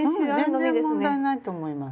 全然問題ないと思います。